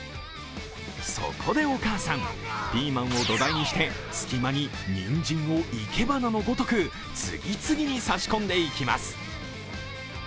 そこでお母さん、ピーマンを土台にして、隙間ににんじんを生け花のごとく次々にさし込んでいきます。